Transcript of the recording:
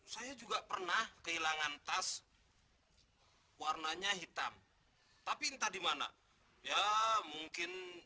saya juga pernah kehilangan tas warnanya hitam tapi entah di mana ya mungkin